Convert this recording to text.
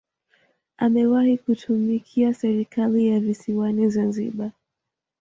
Amewahi kutumikia serikali ya visiwani Zanzibar